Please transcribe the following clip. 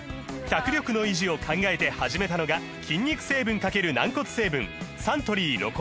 脚力の維持を考えて始めたのが筋肉成分×軟骨成分サントリー「ロコモア」です